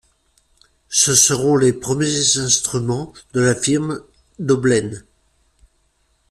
Ce seront les premiers instruments de la firme Daublaine.